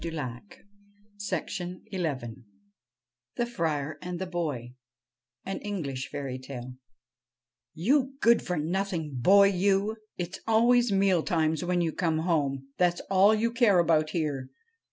02 THE FRIAR AND THE BOY THE FRIAR AND THE BOY AN ENGLISH FAIRY TALE 'You good for nothing boy, you! It's always meal times when you come home : that 's all you care about here.